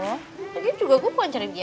lagi juga gw pun cari dia gw cari bopi